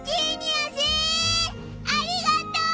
ありがとう！